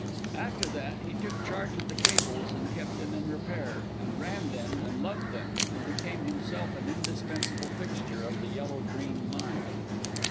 After that he took charge of the cables and kept them in repair, and ran them and loved them, and became himself an indispensable fixture of the Yellow Dream mine.